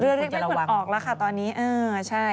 เลือเล็กไม่ควรออกละค่ะตอนนี้เออใช่